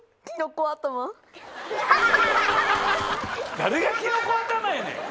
誰がキノコ頭やねん！